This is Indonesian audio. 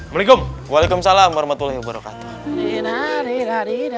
waalaikumsalam warahmatullahi wabarakatuh